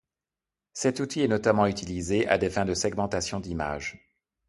Cet outil est notamment utilisé à des fins de Segmentation d'image.